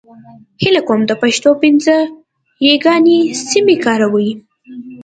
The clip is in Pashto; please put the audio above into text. هيله کوم د پښتو پنځه يېګانې سمې کاروئ !